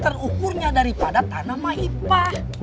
terukurnya daripada tanah mahipa